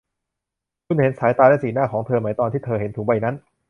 คุณเห็นสายตาและสีหน้าของเธอไหมตอนที่เธอเห็นถุงใบนั้น